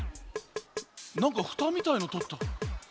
なんかふたみたいのとった。